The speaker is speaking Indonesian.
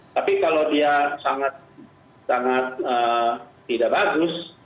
tapi kalau dia sangat tidak bagus